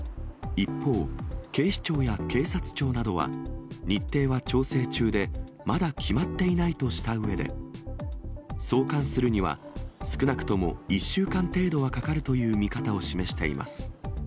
一方、警視庁や警察庁などは、日程は調整中でまだ決まっていないとしたうえで、送還するには、少なくとも１週間程度はかかるという見方を示しています。